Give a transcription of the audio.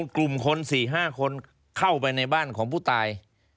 กลุ่มคน๔๕คนเข้าไปในบ้านของผู้ตาย